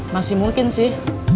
masih mungkin sih